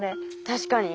確かに。